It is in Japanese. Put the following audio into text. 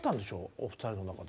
お二人の中で。